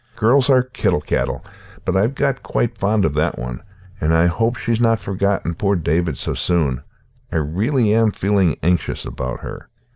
Girls are kittle cattle, but I've got quite fond of that one, and I hope she's not forgotten poor David so soon. I really am feeling anxious about her."